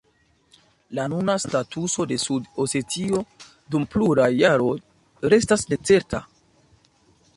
La nuna statuso de Sud-Osetio dum pluraj jaroj restas necerta.